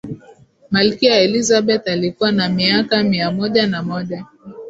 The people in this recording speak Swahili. malkia elizabeth alikuwa na miaka mia moja na moja